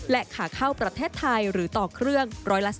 และขาเข้าประเทศไทยหรือต่อเครื่อง๑๓